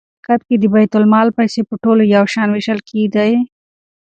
آیا په خلافت کې د بیت المال پیسې په ټولو یو شان وېشل کېدې؟